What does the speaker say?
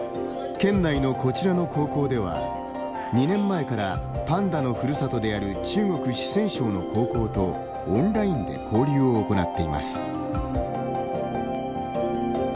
県内のこちらの高校では２年前からパンダのふるさとである中国四川省の高校とオンラインで交流を行っています。